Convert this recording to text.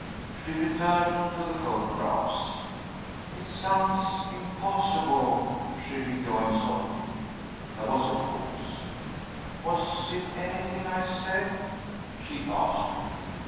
She returned to the photographs. "It sounds impossible," she rejoined, softly. There was a pause. "Was it anything I said?" she asked.